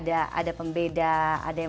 ada pembeda ada yang